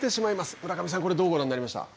村上さん、どうご覧になりましたか。